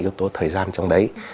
yếu tố thời gian trong đấy